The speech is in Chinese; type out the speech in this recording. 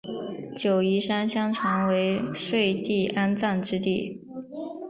九嶷山相传为舜帝安葬之地。